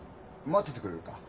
待っててくれるか？